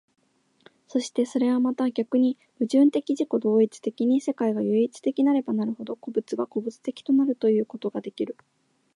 そしてそれはまた逆に矛盾的自己同一的に世界が唯一的なればなるほど、個物は個物的となるということができる。